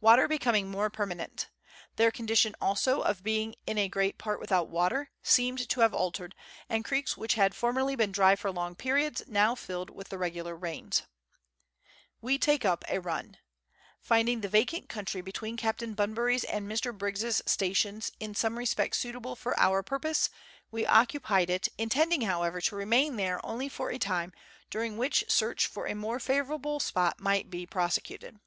Water becoming more permanent. Their condition also, of being in a great part without water, seemed to have altered, and creeks which had formerly been dry for long periods now filled with the regular rains. We take ^lp a Run. Finding the vacant country between Captain Bunbury's and Mr. Briggs's stations in some respects suitable for our purpose, we occupied it, intending, however, to remain there only for a time, during which search for a more favourable spot might be prosecuted.